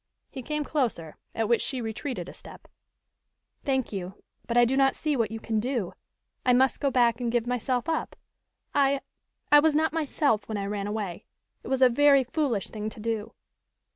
He came closer, at which she retreated a step. "Thank you, but I do not see what you can do. I must go back and give myself up. I I was not myself when I ran away. It was a very foolish thing to do."